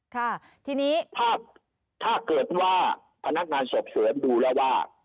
ค่ะทีนี้ถ้าถ้าเกิดว่าพนักงานสอบสวนดูแล้วว่า